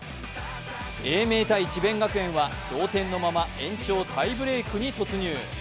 英明×智弁学園は同点のまま延長タイブレークに突入。